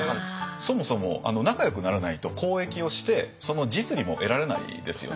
そもそも仲よくならないと交易をしてその実利も得られないですよね。